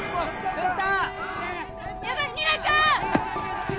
センター！